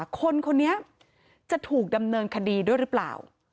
คนคนนี้จะถูกดำเนินคดีด้วยหรือเปล่า